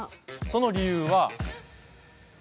その理由は。